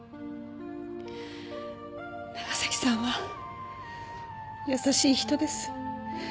長崎さんは優しい人です。